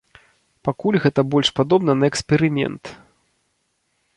Пакуль гэта больш падобна на эксперымент.